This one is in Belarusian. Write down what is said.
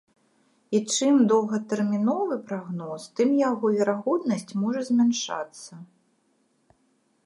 І чым доўгатэрміновы прагноз, тым яго верагоднасць можа змяншацца.